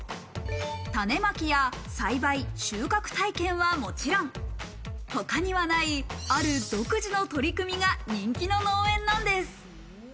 種まきや栽培、収穫体験はもちろん、他にはないある独自の取り組みが人気の農園なんです。